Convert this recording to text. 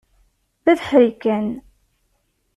D abeḥri kan.